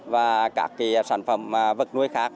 và các sản phẩm vật nuôi khác